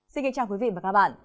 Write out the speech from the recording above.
xin kính chào quý vị và các bạn